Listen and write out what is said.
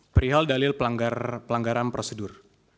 perihal dalil pelanggaran prosedur